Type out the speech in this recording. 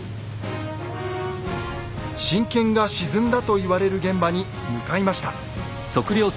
神剣が沈んだと言われる現場に向かいました。